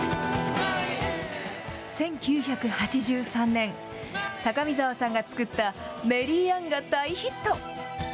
１９８３年、高見沢さんが作ったメリーアンが大ヒット。